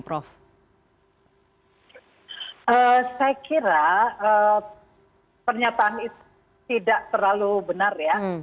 saya kira pernyataan itu tidak terlalu benar ya